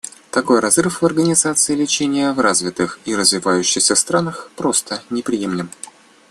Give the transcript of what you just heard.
Такой разрыв в организации лечения в развитых и развивающихся странах просто неприемлем.